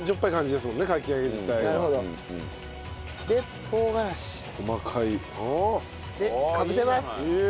でかぶせます！